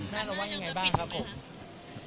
เราว่ายังไงบ้างครับผม